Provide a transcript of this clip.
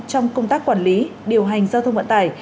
trong công tác quản lý điều hành giao thông vận tải